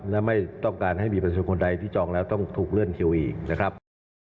และไม่ต้องการให้มีประชาชนคนใดที่จองแล้วต้องถูกเลื่อนคิวอีกนะครับ